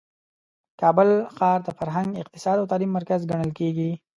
کابل ښار د فرهنګ، اقتصاد او تعلیم مرکز ګڼل کیږي.